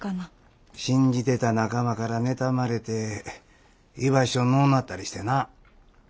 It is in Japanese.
信じてた仲間から妬まれて居場所のうなったりしてな。